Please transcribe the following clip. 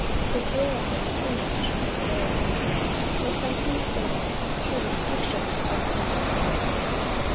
To theorize too much was very easy, but sometimes fatal to detection of crime.